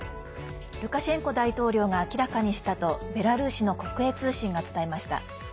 ルカシェンコ大統領が明らかにしたとベラルーシの国営通信が伝えました。